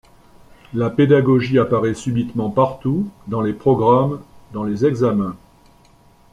La pédagogie apparaît subitement partout, dans les programmes, dans les examens.